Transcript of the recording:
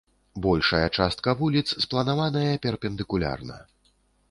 Большая частка вуліц спланаваная перпендыкулярна.